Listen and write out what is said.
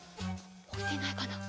おきてないかな？